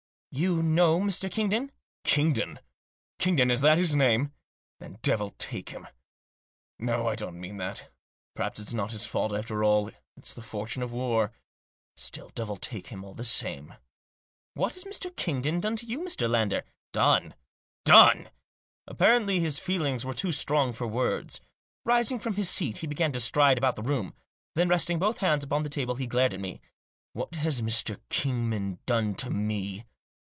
" You know Mr. Kingdon ?"" Kingdon ? Kingdon ? Is that his name ? Then devil take him ! No, I don't mean that. Perhaps it's not his fault after all ; it's the fortune of war. Still — devil take him all the same." "What has Mr. Kingdon done to you, Mr. Lander?" " Done !— done !" Apparently his feelings were too strong for words. Rising from his seat he began to stride about the room. Then, resting both hands upon the table, he glared at me. "What has Mr. Kingdon done to me